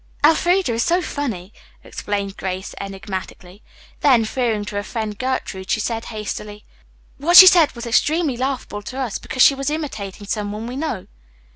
"Elfreda is so funny," explained Grace enigmatically. Then, fearing to offend Gertrude, she said hastily, "What she said was extremely laughable to us, because she was imitating some one we know."